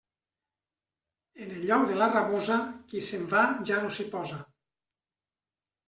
En el lloc de la rabosa, qui se'n va ja no s'hi posa.